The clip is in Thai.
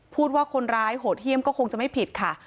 พูดว่าคนร้ายโหดเยี่ยมก็คงจะไม่ผิดค่ะ